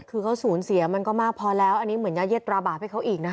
คือเขาสูญเสียมันก็มากพอแล้วอันนี้เหมือนยาเย็ดตราบาปให้เขาอีกนะคะ